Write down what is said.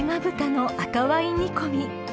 豚の赤ワイン煮込み］